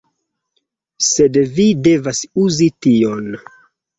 Sed vi devas uzi tion